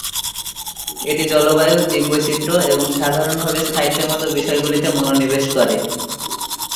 এটি জলবায়ু, জীববৈচিত্র্য এবং সাধারণভাবে স্থায়িত্বের মতো বিষয়গুলিতে মনোনিবেশ করে।